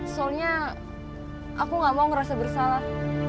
soalnya aku gak mau ngerasa bersalah